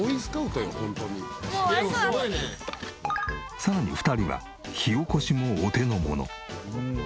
さらに２人は火おこしもお手のもの。